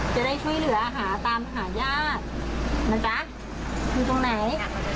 จะได้ช่วยเหลือหาตามหาญาตินะจ๊ะอยู่ตรงไหน